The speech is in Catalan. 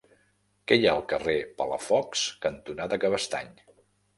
Què hi ha al carrer Palafox cantonada Cabestany?